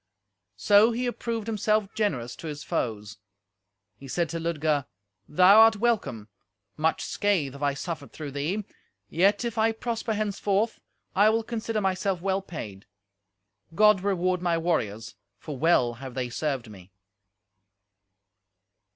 So he approved himself generous to his foes. He said to Ludger, "Thou are welcome! Much scathe have I suffered through thee; yet, if I prosper henceforth, I will consider myself well paid. God reward my warriors, for well have they served me!"